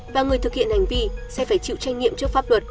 và người thực hiện hành vi sẽ phải chịu tranh nghiệm trước pháp luật